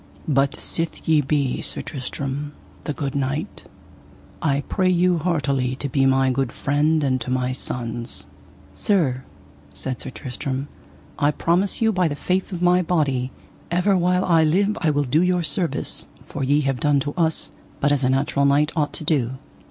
But sith ye be Sir Tristram, the good knight, I pray you heartily to be my good friend and to my sons. Sir, said Sir Tristram, I promise you by the faith of my body, ever while I live I will do you service, for ye have done to us but as a natural knight ought to do.